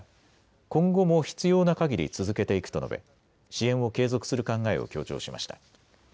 今後も必要なかぎり続けていくと述べ支援を継続する考えを強調しました。